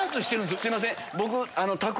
すいません僕。